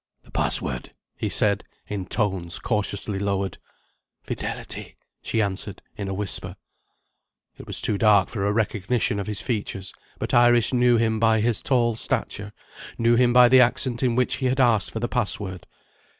"The password," he said, in tones cautiously lowered. "Fidelity," she answered in a whisper. It was too dark for a recognition of his features; but Iris knew him by his tall stature knew him by the accent in which he had asked for the password.